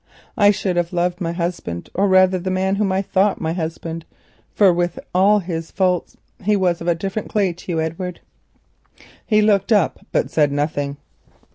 I should have loved my husband, or rather the man whom I thought my husband, for with all his faults he was of a different clay to you, Edward." He looked up, but said nothing.